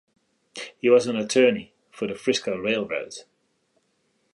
He was an attorney for the Frisco Railroad.